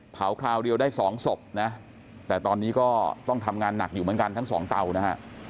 เผาคราวเดียวได้๒ศพแต่ตอนนี้ก็ต้องทำงานหนักอยู่ทั้ง๒เตา